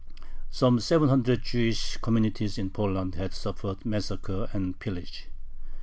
Some seven hundred Jewish communities in Poland had suffered massacre and pillage.